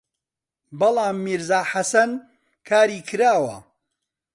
بەڵام «میرزا حەسەن» کاری کراوە